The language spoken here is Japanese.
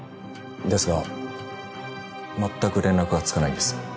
ですがまったく連絡がつかないんです